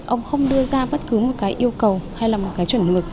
ông không đưa ra bất cứ một cái yêu cầu hay là một cái chuẩn mực